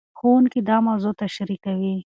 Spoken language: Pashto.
ښوونکي دا موضوع تشريح کوي.